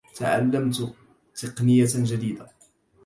تعلمت تقنية جديدة.